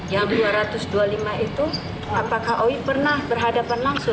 yang dua ratus dua puluh lima itu apakah oi pernah berhadapan langsung